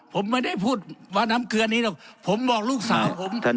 ผมไม่ได้พูดว่าน้ำเกลือนี้หรอกผมบอกลูกสาวผม